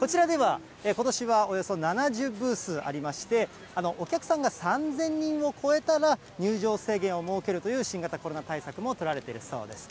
こちらでは、ことしはおよそ７０ブースありまして、お客さんが３０００人を超えたら、入場制限を設けるという、新型コロナ対策も取られているそうです。